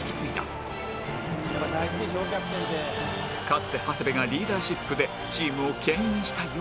かつて長谷部がリーダーシップでチームを牽引したように